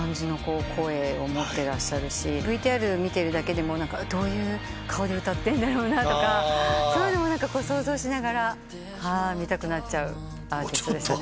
ＶＴＲ見てるだけでもどういう顔で歌ってるんだろうなとかそういうのも想像しながら見たくなっちゃうアーティストですね。